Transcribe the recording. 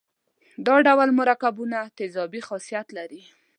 دا ډول مرکبونه تیزابي خاصیت لري.